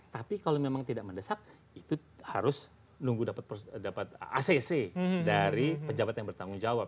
tapi kalau memang tidak mendesak itu harus nunggu dapat acc dari pejabat yang bertanggung jawab